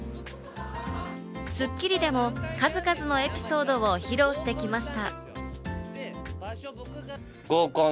『スッキリ』でも数々のエピソードを披露してきました。